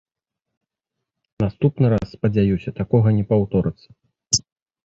Наступны раз, спадзяюся, такога не паўторыцца.